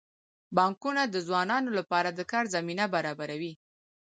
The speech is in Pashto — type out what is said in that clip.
بانکونه د ځوانانو لپاره د کار زمینه برابروي.